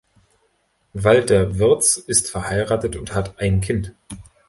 Walter Wirz ist verheiratet und hat ein Kind.